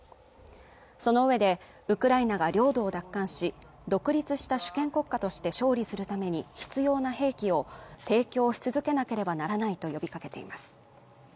そのうえでウクライナが領土を奪還し独立した主権国家として勝利するために必要な兵器を提供し続けなければならないと呼びかけています